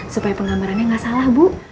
supaya penggambarannya nggak salah bu